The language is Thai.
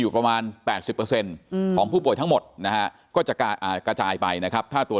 ประมาณ๘๐ของผู้ป่วยทั้งหมดนะฮะก็จะกระจายไปนะครับถ้าตัว